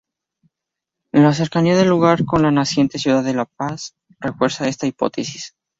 La cercanía del lugar con la naciente ciudad de La Paz refuerza esta hipótesis.